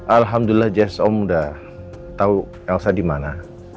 alhamdulillah jess om udah tau elsa dimana